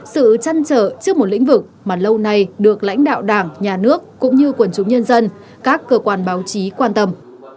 sự chăn trở trước một lĩnh vực mà lâu nay được lãnh đạo đảng nhà nước cũng như quần chúng nhân dân các cơ quan báo chí quan tâm